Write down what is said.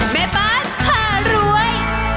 แม่บ้านผ่ารวย